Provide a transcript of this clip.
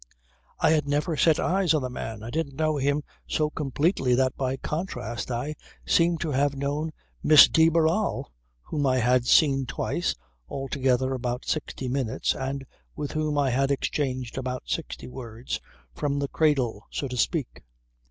I had never set eyes on the man. I didn't know him so completely that by contrast I seemed to have known Miss de Barral whom I had seen twice (altogether about sixty minutes) and with whom I had exchanged about sixty words from the cradle so to speak.